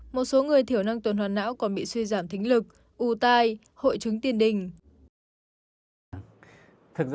một số người thiểu năng tuần hoàn não còn bị suy giảm thính lực u tai hội chứng tiên đình